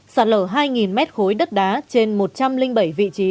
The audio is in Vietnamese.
sạt lở hai mét khối đất đá trên một trăm linh bảy vị trí